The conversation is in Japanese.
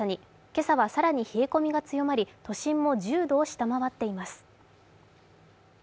今朝は更に冷え込みが強まり、都心も１０度を下回っています。